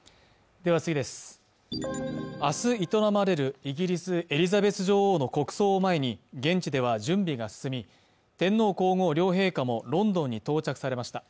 明日営まれるイギリス・エリザベス女王の国葬を前に現地では準備が進み天皇皇后両陛下もロンドンに到着されました。